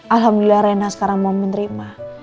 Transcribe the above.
alhamdulillah rena sekarang mau menerima